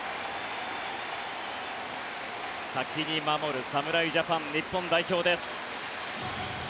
先に守る侍ジャパン日本代表です。